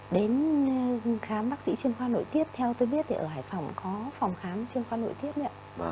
đến khám bác sĩ chuyên khoa nội tiết theo tôi biết thì ở hải phòng có phòng khám chuyên khoa nội tiết